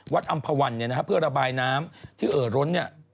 อำภาวันเนี่ยนะฮะเพื่อระบายน้ำที่เอ่อล้นเนี่ย